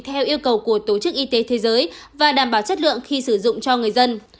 theo yêu cầu của tổ chức y tế thế giới và đảm bảo chất lượng khi sử dụng cho người dân